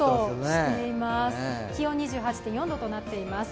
気温２８．４度となっています。